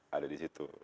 ada di situ